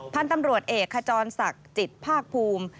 พันธุ์ตำรวจเอกขจรศักดิ์จิตภาคภูมิ